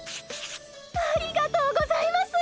ありがとうございます！